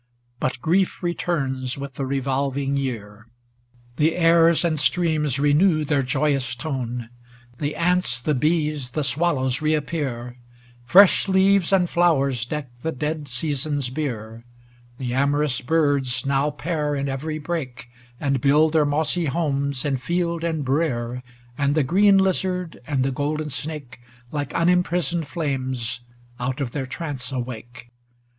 But grief returns with the revolving year; The airs and streams renew their joyous tone; The ants, the bees, the swallows, reap pear; Fresh leaves and flowers deck the dead Seasons' bier; The amorous birds now pair in every brake, And build their mossy homes in field and brere ; And the green lizard and the golden snake, Like unimprisoned flames, out of their trance awake.